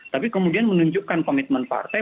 tapi kemudian menunjukkan komitmen partai